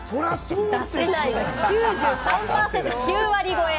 出せないが９３％、９割超え。